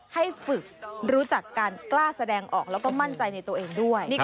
ให้ฝึกรู้จักการกล้าแสดงออกแล้วก็มั่นใจในตัวเองด้วย